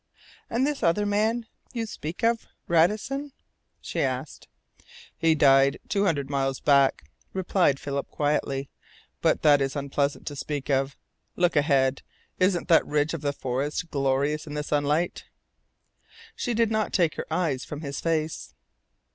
"And this other man you speak of, Radisson?" she asked. "He died two hundred miles back," replied Philip quietly. "But that is unpleasant to speak of. Look ahead. Isn't that ridge of the forest glorious in the sunlight?" She did not take her eyes from his face.